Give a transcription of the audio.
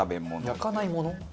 焼かないもの？